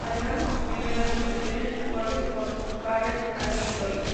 Además, es el primer álbum de The Strokes con Parental Advisory.